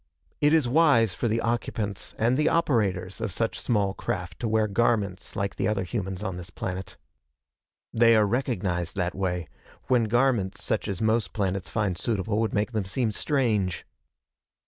It is wise for the occupants and the operators of such small craft to wear garments like the other humans on this planet. They are recognized, that way, when garments such as most planets find suitable would make them seem strange.